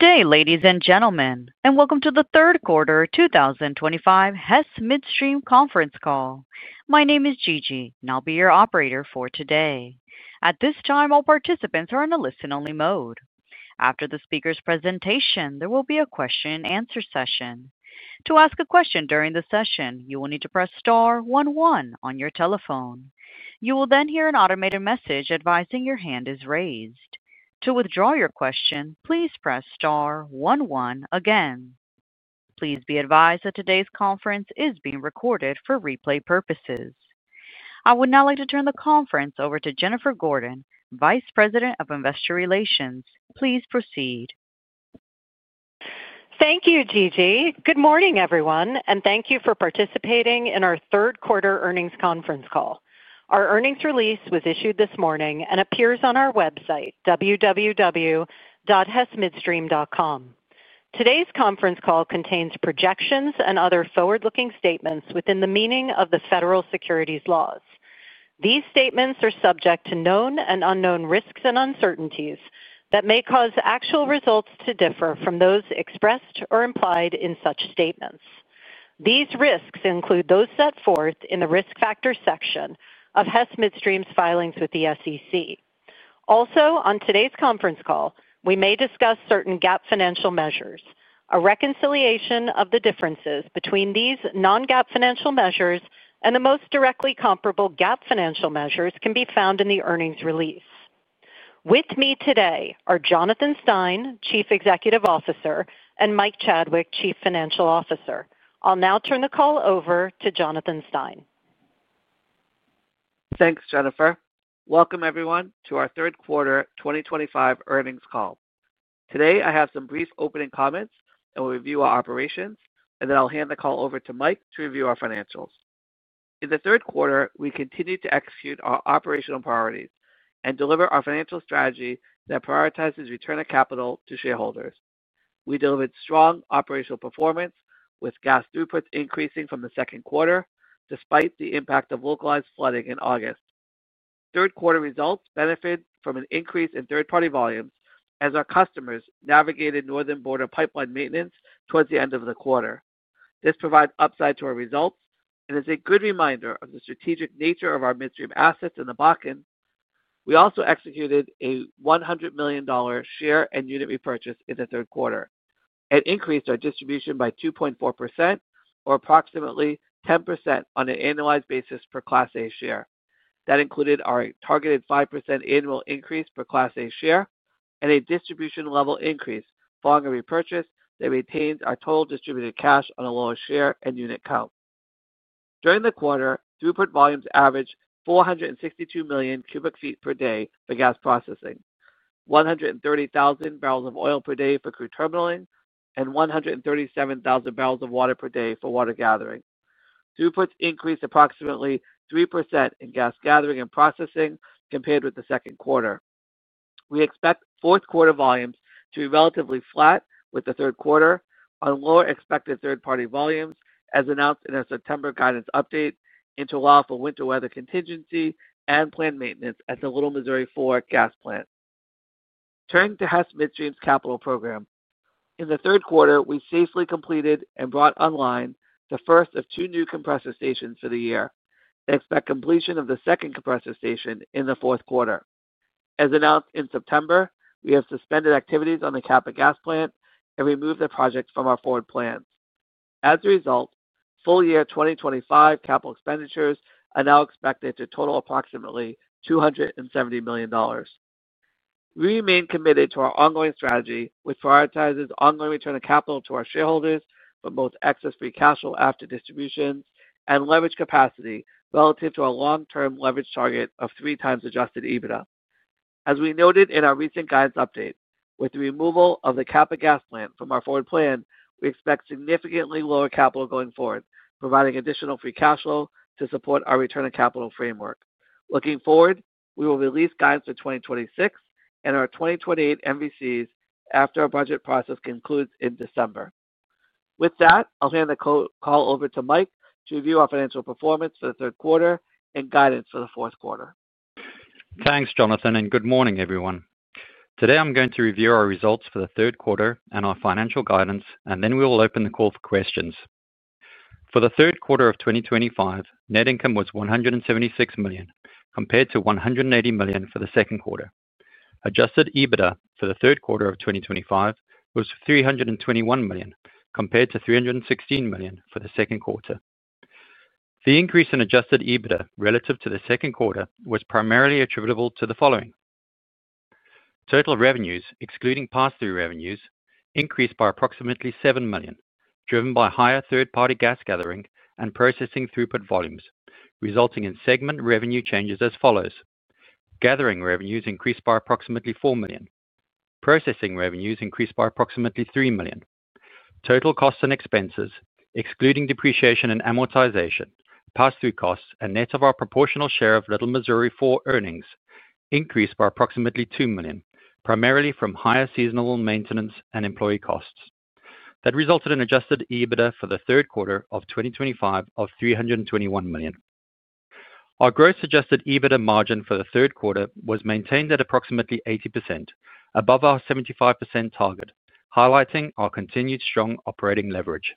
Good day, ladies and gentlemen, and welcome to the third quarter 2025 Hess Midstream conference call. My name is Gigi, and I'll be your operator for today. At this time, all participants are in the listen-only mode. After the speaker's presentation, there will be a question-and-answer session. To ask a question during the session, you will need to press star 11 on your telephone. You will then hear an automated message advising your hand is raised. To withdraw your question, please press star 11 again. Please be advised that today's conference is being recorded for replay purposes. I would now like to turn the conference over to Jennifer Gordon, Vice President of Investor Relations. Please proceed. Thank you, Gigi. Good morning, everyone, and thank you for participating in our third quarter earnings conference call. Our earnings release was issued this morning and appears on our website, www.HessMidstream.com. Today's conference call contains projections and other forward-looking statements within the meaning of the federal securities laws. These statements are subject to known and unknown risks and uncertainties that may cause actual results to differ from those expressed or implied in such statements. These risks include those set forth in the risk factor section of Hess Midstream's filings with the SEC. Also, on today's conference call, we may discuss certain GAAP financial measures. A reconciliation of the differences between these non-GAAP financial measures and the most directly comparable GAAP financial measures can be found in the earnings release. With me today are Jonathan Stein, Chief Executive Officer, and Mike Chadwick, Chief Financial Officer. I'll now turn the call over to Jonathan Stein. Thanks, Jennifer. Welcome, everyone, to our third quarter 2025 earnings call. Today, I have some brief opening comments and will review our operations, and then I'll hand the call over to Mike to review our financials. In the third quarter, we continued to execute our operational priorities and deliver our financial strategy that prioritizes return of capital to shareholders. We delivered strong operational performance, with gas throughputs increasing from the second quarter despite the impact of localized flooding in August. Third quarter results benefited from an increase in third-party volumes as our customers navigated northern border pipeline maintenance towards the end of the quarter. This provides upside to our results and is a good reminder of the strategic nature of our midstream assets in the Bakken. We also executed a $100 million share and unit repurchase in the third quarter and increased our distribution by 2.4%, or approximately 10% on an annualized basis per Class A share. That included our targeted 5% annual increase per Class A share and a distribution level increase following a repurchase that retained our total distributed cash on a lower share and unit count. During the quarter, throughput volumes averaged 462 Mcf per day for gas processing, 130,000 bbl of oil per day for crude terminaling, and 137,000 bbl of water per day for water gathering. Throughputs increased approximately 3% in gas gathering and processing compared with the second quarter. We expect fourth quarter volumes to be relatively flat with the third quarter on lower expected third-party volumes, as announced in our September guidance update and to allow for winter weather contingency and planned maintenance at the Little Missouri 4 gas plant. Turning to Hess Midstream's capital program. In the third quarter, we safely completed and brought online the first of two new compressor stations for the year and expect completion of the second compressor station in the fourth quarter. As announced in September, we have suspended activities on the Capa gas plant and removed the project from our forward plans. As a result, full year 2025 capital expenditures are now expected to total approximately $270 million. We remain committed to our ongoing strategy, which prioritizes ongoing return of capital to our shareholders for both excess free cash flow after distributions and leverage capacity relative to our long-term leverage target of three times adjusted EBITDA. As we noted in our recent guidance update, with the removal of the Capa gas plant from our forward plan, we expect significantly lower capital going forward, providing additional free cash flow to support our return of capital framework. Looking forward, we will release guidance for 2026 and our 2028 MVCs after our budget process concludes in December. With that, I'll hand the call over to Mike to review our financial performance for the third quarter and guidance for the fourth quarter. Thanks, Jonathan, and good morning, everyone. Today, I'm going to review our results for the third quarter and our financial guidance, and then we will open the call for questions. For the third quarter of 2025, net income was $176 million, compared to $180 million for the second quarter. Adjusted EBITDA for the third quarter of 2025 was $321 million, compared to $316 million for the second quarter. The increase in adjusted EBITDA relative to the second quarter was primarily attributable to the following. Total revenues, excluding pass-through revenues, increased by approximately $7 million, driven by higher third-party gas gathering and processing throughput volumes, resulting in segment revenue changes as follows. Gathering revenues increased by approximately $4 million. Processing revenues increased by approximately $3 million. Total costs and expenses, excluding depreciation and amortization, pass-through costs, and net of our proportional share of Little Missouri 4 earnings increased by approximately $2 million, primarily from higher seasonal maintenance and employee costs. That resulted in adjusted EBITDA for the third quarter of 2025 of $321 million. Our gross adjusted EBITDA margin for the third quarter was maintained at approximately 80%, above our 75% target, highlighting our continued strong operating leverage.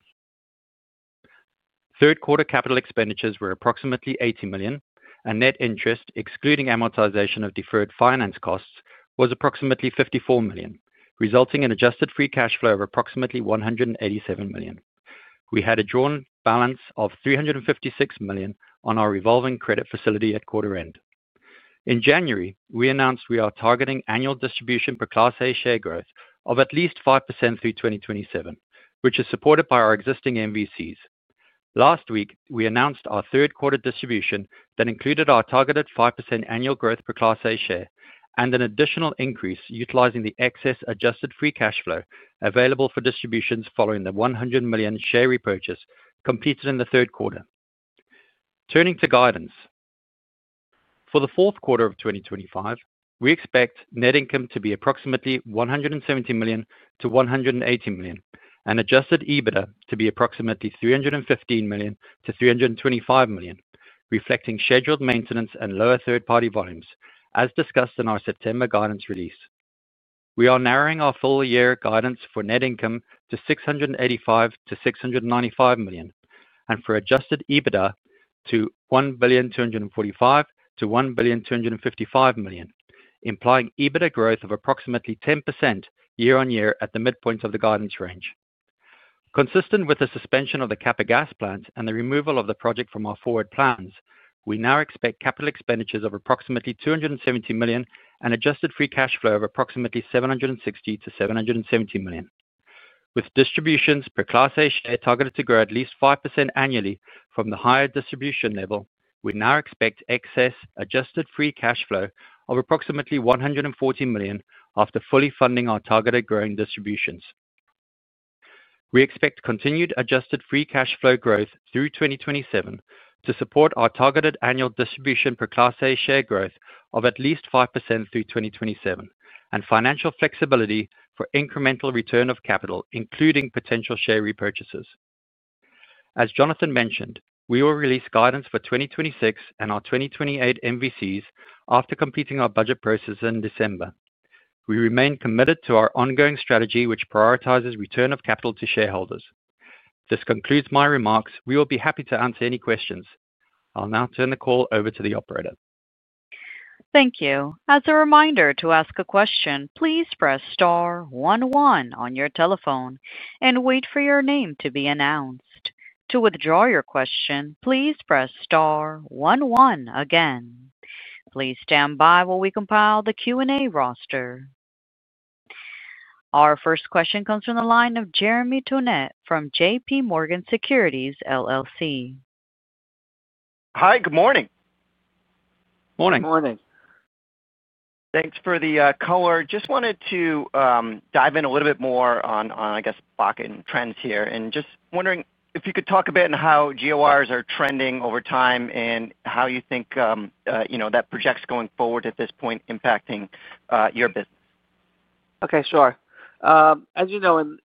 Third quarter capital expenditures were approximately $80 million, and net interest, excluding amortization of deferred finance costs, was approximately $54 million, resulting in adjusted free cash flow of approximately $187 million. We had a drawn balance of $356 million on our revolving credit facility at quarter end. In January, we announced we are targeting annual distribution per Class A share growth of at least 5% through 2027, which is supported by our existing MVCs. Last week, we announced our third quarter distribution that included our targeted 5% annual growth per Class A share and an additional increase utilizing the excess adjusted free cash flow available for distributions following the $100 million share repurchase completed in the third quarter. Turning to guidance. For the fourth quarter of 2025, we expect net income to be approximately $170 million-$180 million and adjusted EBITDA to be approximately $315 million-$325 million, reflecting scheduled maintenance and lower third-party volumes, as discussed in our September guidance release. We are narrowing our full year guidance for net income to $685 million-$695 million and for adjusted EBITDA to $1.245 billion-$1.255 billion, implying EBITDA growth of approximately 10% year-on-year at the midpoint of the guidance range. Consistent with the suspension of the Capa gas plant and the removal of the project from our forward plans, we now expect capital expenditures of approximately $270 million and adjusted free cash flow of approximately $760 million-$770 million. With distributions per Class A share targeted to grow at least 5% annually from the higher distribution level, we now expect excess adjusted free cash flow of approximately $140 million after fully funding our targeted growing distributions. We expect continued adjusted free cash flow growth through 2027 to support our targeted annual distribution per Class A share growth of at least 5% through 2027 and financial flexibility for incremental return of capital, including potential share repurchases. As Jonathan mentioned, we will release guidance for 2026 and our 2028 MVCs after completing our budget process in December. We remain committed to our ongoing strategy, which prioritizes return of capital to shareholders. This concludes my remarks. We will be happy to answer any questions. I'll now turn the call over to the operator. Thank you. As a reminder to ask a question, please press star 11 on your telephone and wait for your name to be announced. To withdraw your question, please press star 11 again. Please stand by while we compile the Q&A roster. Our first question comes from the line of Jeremy Tonet from JPMorgan Securities LLC. Hi. Good morning. Morning. Good morning. Thanks for the caller. Just wanted to dive in a little bit more on, I guess, Bakken trends here, and just wondering if you could talk a bit on how GORs are trending over time and how you think that projects going forward at this point impacting your business. Okay. Sure. As you know,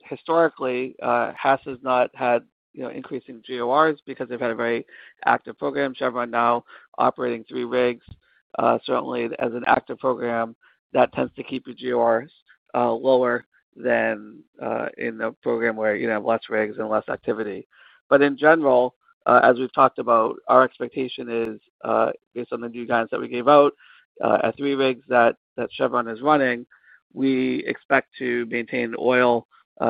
historically, Hess has not had increasing GORs because they've had a very active program. Chevron now operating three rigs, certainly has an active program that tends to keep your GORs lower than in a program where you have less rigs and less activity. In general, as we've talked about, our expectation is, based on the new guidance that we gave out at three rigs that Chevron is running, we expect to maintain oil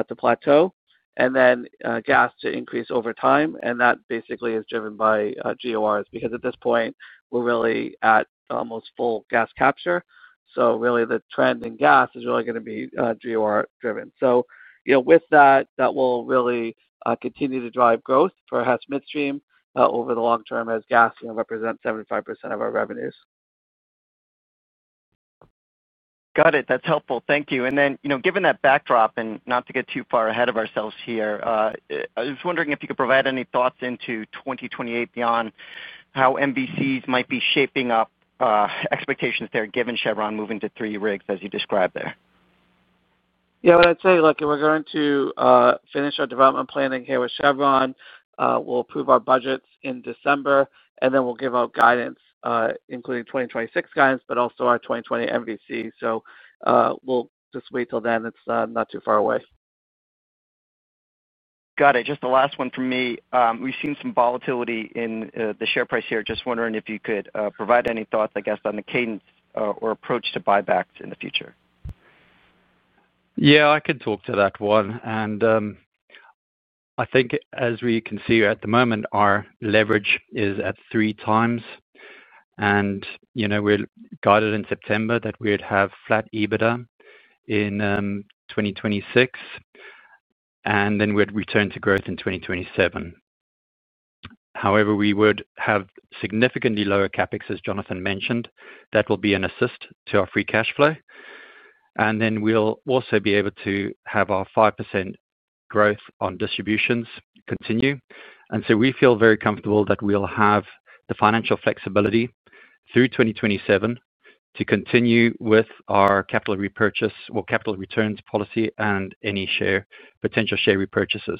to plateau and then gas to increase over time. That basically is driven by GORs because at this point, we're really at almost full gas capture. Really, the trend in gas is really going to be GOR-driven. With that, that will really continue to drive growth for Hess Midstream over the long term as gas represents 75% of our revenues. Got it. That's helpful. Thank you. And then given that backdrop, and not to get too far ahead of ourselves here, I was wondering if you could provide any thoughts into 2028 beyond how MVCs might be shaping up. Expectations there, given Chevron moving to three rigs, as you described there. Yeah. I'd say we're going to finish our development planning here with Chevron. We'll approve our budgets in December, and then we'll give out guidance, including 2026 guidance, but also our 2024 MVC. So we'll just wait till then. It's not too far away. Got it. Just the last one from me. We've seen some volatility in the share price here. Just wondering if you could provide any thoughts, I guess, on the cadence or approach to buybacks in the future. Yeah. I could talk to that one. I think, as we can see at the moment, our leverage is at three times. We guided in September that we would have flat EBITDA in 2026. We would return to growth in 2027. However, we would have significantly lower CapEx, as Jonathan mentioned. That will be an assist to our free cash flow. We will also be able to have our 5% growth on distributions continue. We feel very comfortable that we will have the financial flexibility through 2027 to continue with our capital repurchase or capital returns policy and any potential share repurchases.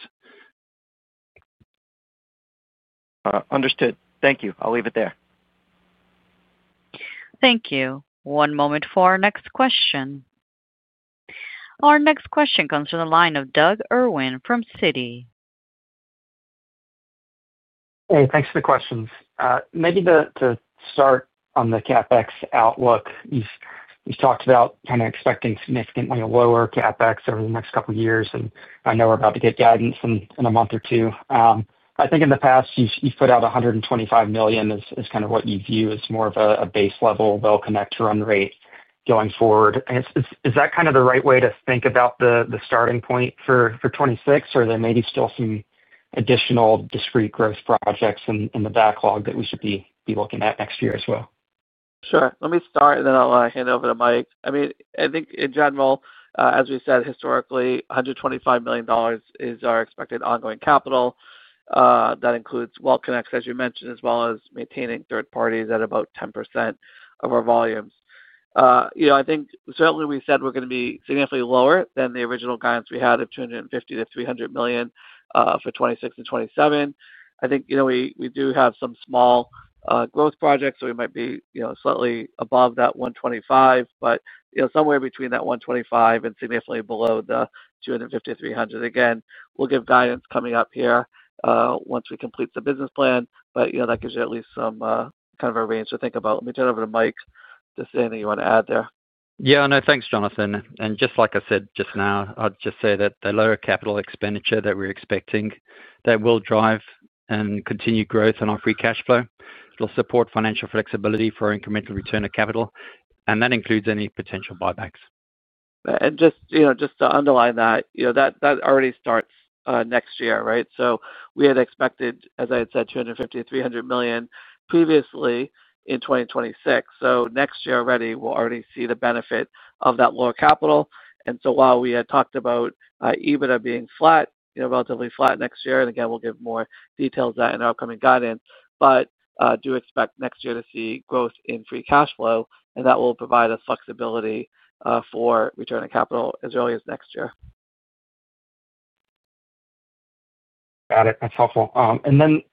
Understood. Thank you. I'll leave it there. Thank you. One moment for our next question. Our next question comes from the line of Doug Irwin from Citi. Hey. Thanks for the questions. Maybe to start on the CapEx outlook, you've talked about kind of expecting significantly lower CapEx over the next couple of years, and I know we're about to get guidance in a month or two. I think in the past, you put out $125 million as kind of what you view as more of a base level, well-connect run rate going forward. Is that kind of the right way to think about the starting point for 2026, or are there maybe still some additional discrete growth projects in the backlog that we should be looking at next year as well? Sure. Let me start, and then I'll hand it over to Mike. I mean, I think in general, as we said, historically, $125 million is our expected ongoing capital. That includes well-connects, as you mentioned, as well as maintaining third parties at about 10% of our volumes. I think certainly we said we're going to be significantly lower than the original guidance we had of $250 million-$300 million for 2026 and 2027. I think we do have some small growth projects, so we might be slightly above that $125 million, but somewhere between that $125 million and significantly below the $250 million-$300 million. Again, we'll get guidance coming up here once we complete the business plan, but that gives you at least some kind of a range to think about. Let me turn it over to Mike to see anything you want to add there. Yeah. No. Thanks, Jonathan. Just like I said just now, I'd just say that the lower capital expenditure that we're expecting, that will drive and continue growth on our free cash flow. It'll support financial flexibility for incremental return of capital, and that includes any potential buybacks. Just to underline that, that already starts next year, right? We had expected, as I had said, $250 million-$300 million previously in 2026. Next year already, we will already see the benefit of that lower capital. While we had talked about EBITDA being relatively flat next year, and again, we will give more details of that in our upcoming guidance, do expect next year to see growth in free cash flow, and that will provide us flexibility for return of capital as early as next year. Got it. That's helpful.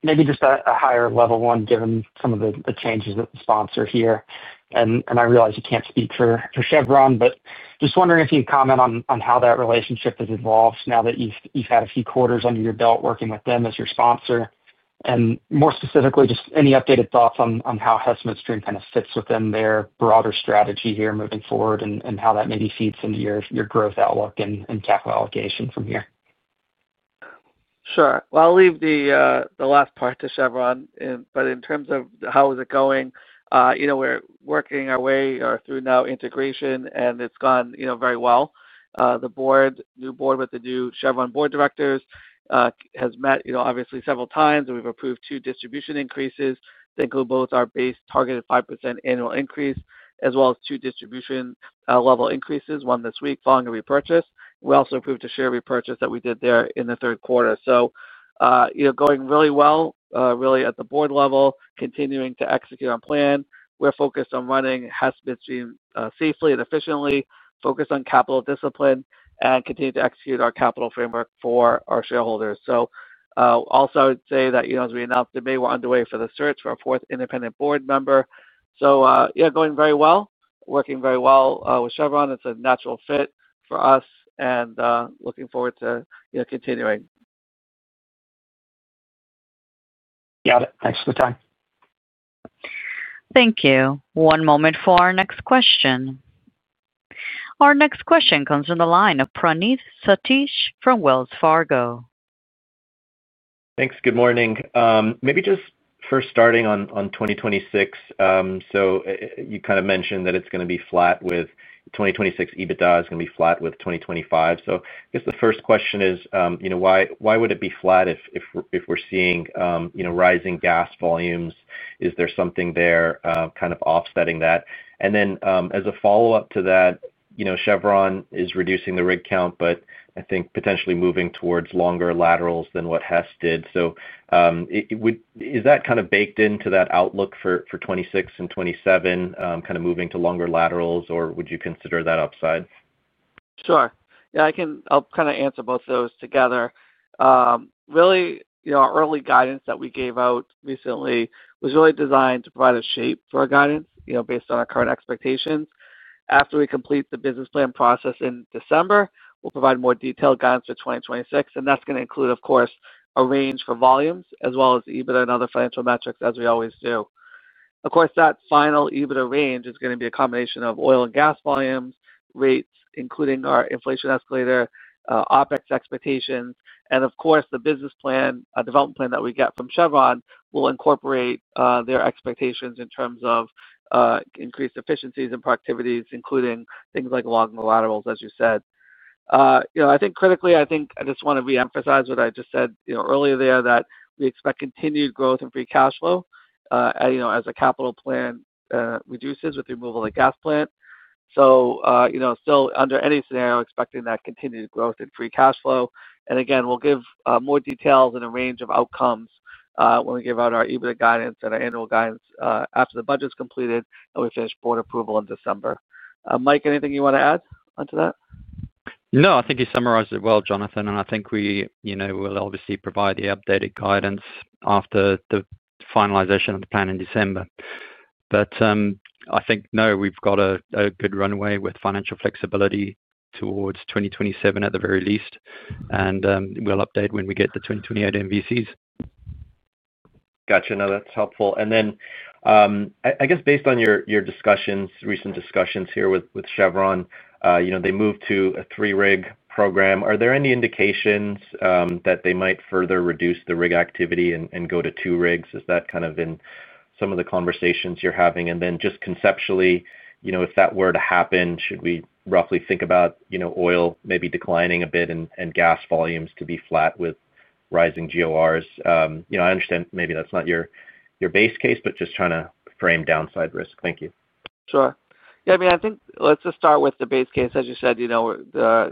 Maybe just a higher level one, given some of the changes that the sponsor here, and I realize you can't speak for Chevron, but just wondering if you'd comment on how that relationship has evolved now that you've had a few quarters under your belt working with them as your sponsor. More specifically, just any updated thoughts on how Hess Midstream kind of fits within their broader strategy here moving forward and how that maybe feeds into your growth outlook and capital allocation from here. Sure. I'll leave the last part to Chevron. In terms of how is it going, we're working our way through now integration, and it's gone very well. The new board with the new Chevron board directors has met, obviously, several times, and we've approved two distribution increases, to include both our base targeted 5% annual increase, as well as two distribution level increases, one this week following a repurchase. We also approved a share repurchase that we did there in the third quarter. Going really well, really at the board level, continuing to execute on plan. We're focused on running Hess Midstream safely and efficiently, focused on capital discipline, and continue to execute our capital framework for our shareholders. Also, I would say that as we announced today, we're underway for the search for our fourth independent board member. Yeah, going very well, working very well with Chevron. It's a natural fit for us, and looking forward to continuing. Got it. Thanks for the time. Thank you. One moment for our next question. Our next question comes from the line of Praneeth Satish from Wells Fargo. Thanks. Good morning. Maybe just first starting on 2026, you kind of mentioned that it is going to be flat with 2026 EBITDA is going to be flat with 2025. I guess the first question is, why would it be flat if we are seeing rising gas volumes? Is there something there kind of offsetting that? As a follow-up to that, Chevron is reducing the rig count, but I think potentially moving towards longer laterals than what Hess did. Is that kind of baked into that outlook for 2026 and 2027, kind of moving to longer laterals, or would you consider that upside? Sure. Yeah. I'll kind of answer both of those together. Really, our early guidance that we gave out recently was really designed to provide a shape for our guidance based on our current expectations. After we complete the business plan process in December, we'll provide more detailed guidance for 2026. That's going to include, of course, a range for volumes as well as EBITDA and other financial metrics, as we always do. Of course, that final EBITDA range is going to be a combination of oil and gas volumes, rates, including our inflation escalator, OpEx expectations, and of course, the business plan, development plan that we get from Chevron will incorporate their expectations in terms of increased efficiencies and productivities, including things like logging the laterals, as you said. I think critically, I think I just want to re-emphasize what I just said earlier there, that we expect continued growth in free cash flow as the capital plan reduces with the removal of the gas plant. Still, under any scenario, expecting that continued growth in free cash flow. Again, we'll give more details and a range of outcomes when we give out our EBITDA guidance and our annual guidance after the budget's completed and we finish board approval in December. Mike, anything you want to add onto that? No. I think you summarized it well, Jonathan, and I think we will obviously provide the updated guidance after the finalization of the plan in December. I think, no, we've got a good runway with financial flexibility towards 2027 at the very least, and we'll update when we get the 2028 MVCs. Gotcha. No, that's helpful. I guess based on your recent discussions here with Chevron, they moved to a three-rig program. Are there any indications that they might further reduce the rig activity and go to two rigs? Is that kind of in some of the conversations you're having? Just conceptually, if that were to happen, should we roughly think about oil maybe declining a bit and gas volumes to be flat with rising GORs? I understand maybe that's not your base case, but just trying to frame downside risk. Thank you. Sure. Yeah. I mean, I think let's just start with the base case. As you said,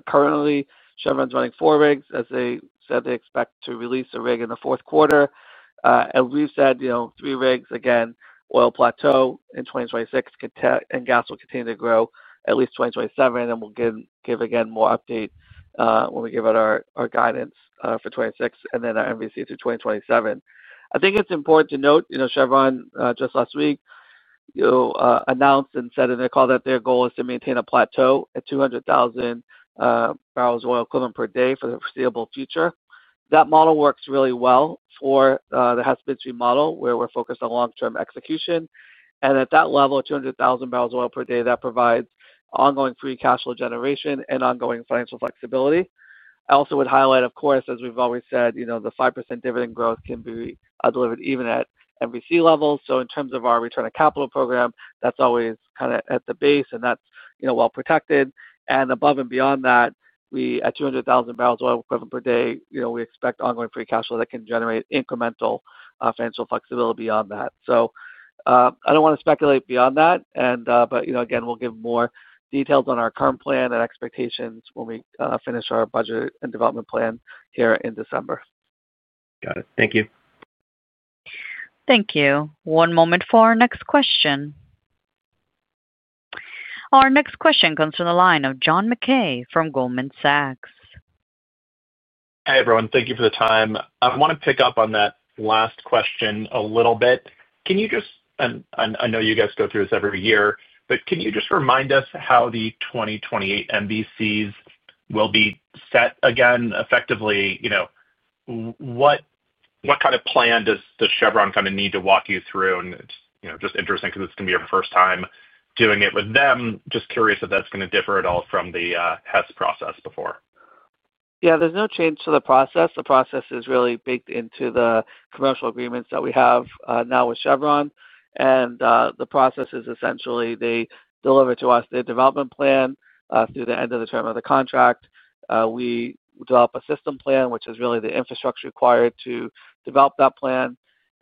currently, Chevron's running four rigs, as they said they expect to release a rig in the fourth quarter. As we've said, three rigs, again, oil plateau in 2026, and gas will continue to grow at least 2027. We'll give again more update when we give out our guidance for 2026 and then our MVC through 2027. I think it's important to note, Chevron just last week announced and said in their call that their goal is to maintain a plateau at 200,000 bbl of oil equivalent per day for the foreseeable future. That model works really well for the Hess Midstream model, where we're focused on long-term execution. At that level, 200,000 bbl of oil per day, that provides ongoing free cash flow generation and ongoing financial flexibility. I also would highlight, of course, as we've always said, the 5% dividend growth can be delivered even at MVC levels. In terms of our return of capital program, that's always kind of at the base, and that's well protected. Above and beyond that, at 200,000 bbl of oil equivalent per day, we expect ongoing free cash flow that can generate incremental financial flexibility beyond that. I don't want to speculate beyond that, but again, we'll give more details on our current plan and expectations when we finish our budget and development plan here in December. Got it. Thank you. Thank you. One moment for our next question. Our next question comes from the line of John Mackay from Goldman Sachs. Hey, everyone. Thank you for the time. I want to pick up on that last question a little bit. Can you just—I know you guys go through this every year—but can you just remind us how the 2028 MVCs will be set again effectively? What kind of plan does Chevron kind of need to walk you through? It is just interesting because it is going to be our first time doing it with them. Just curious if that is going to differ at all from the Hess process before. Yeah. There's no change to the process. The process is really baked into the commercial agreements that we have now with Chevron. The process is essentially they deliver to us their development plan through the end of the term of the contract. We develop a system plan, which is really the infrastructure required to develop that plan.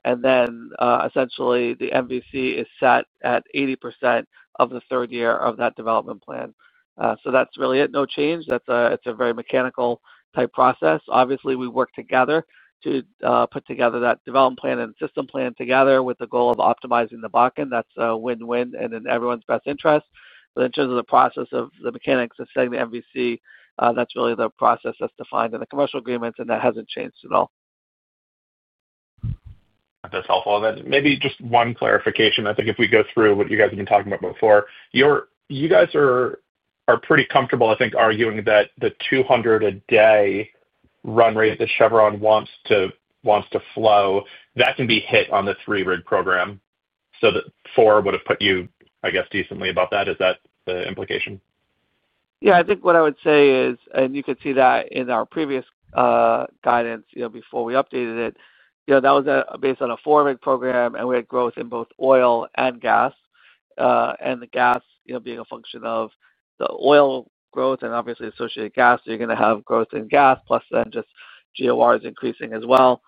Then essentially, the MVC is set at 80% of the third year of that development plan. That's really it. No change. It's a very mechanical type process. Obviously, we work together to put together that development plan and system plan together with the goal of optimizing the bucket. That's a win-win and in everyone's best interest. In terms of the process of the mechanics of setting the MVC, that's really the process that's defined in the commercial agreements, and that hasn't changed at all. That's helpful. Maybe just one clarification. I think if we go through what you guys have been talking about before, you guys are pretty comfortable, I think, arguing that the 200 a day run rate that Chevron wants to flow, that can be hit on the three-rig program. The four would have put you, I guess, decently above that. Is that the implication? Yeah. I think what I would say is, and you could see that in our previous guidance before we updated it. That was based on a four-rig program, and we had growth in both oil and gas. The gas being a function of the oil growth and obviously associated gas, you're going to have growth in gas plus then just GORs increasing as well.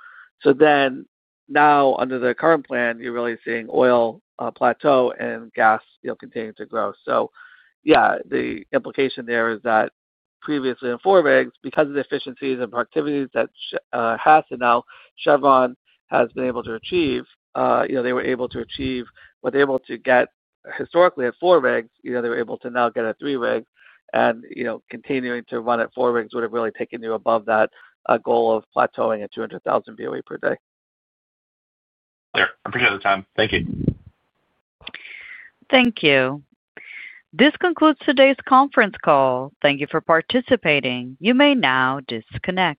Now under the current plan, you're really seeing oil plateau and gas continue to grow. Yeah, the implication there is that previously in four rigs, because of the efficiencies and productivities that Hess and now Chevron has been able to achieve, they were able to achieve what they were able to get historically at four rigs. They were able to now get at three rigs. Continuing to run at four rigs would have really taken you above that goal of plateauing at 200,000 BOE per day. I appreciate the time. Thank you. Thank you. This concludes today's conference call. Thank you for participating. You may now disconnect.